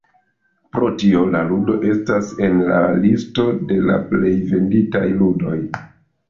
Pro tio, la ludoj estas en la listo de la plej venditaj ludoj.